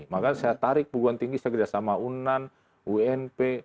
maka saya tarik perguruan tinggi saya kerja sama unan unp